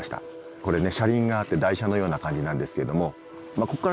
これね車輪があって台車のような感じなんですけれどもここから先ね